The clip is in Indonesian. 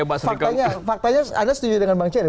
faktanya faktanya anda setuju dengan bang ceri